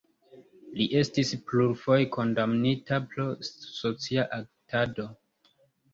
Li estis plurfoje kondamnita pro socia agitado.